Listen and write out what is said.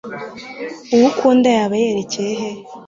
uwo ukunda yaba yerekeye he